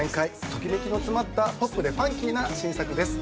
ときめきの詰まったポップでファンキーな新作です。